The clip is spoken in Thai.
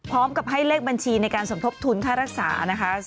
พร้อมกับให้เลขบัญชีในการสมทบทุนค่ารักษานะคะ